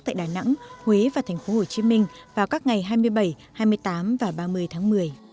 tại đà nẵng huế và thành phố hồ chí minh vào các ngày hai mươi bảy hai mươi tám và ba mươi tháng một mươi